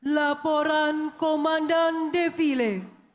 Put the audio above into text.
laporan komandan defile